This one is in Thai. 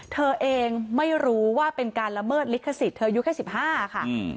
เธอเองไม่รู้ว่าเป็นการละเมิดลิขสิทธิ์เธออายุแค่๑๕ค่ะ